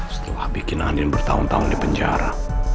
setelah bikin andien bertahun tahun di penjara